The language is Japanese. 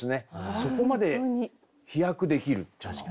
そこまで飛躍できるっていうのは。